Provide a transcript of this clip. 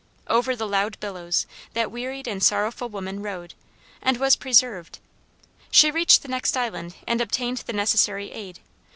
Over the loud billows, that wearied and sorrowful woman rowed, and was preserved. She reached the next island, and obtained the necessary aid.